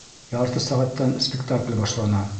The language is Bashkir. Ярты сәғәттән спектакль башлана!